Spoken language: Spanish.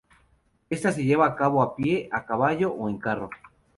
Esta se lleva a cabo a pie, a caballo o en carro.